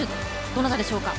どなたでしょうか。